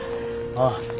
ああ。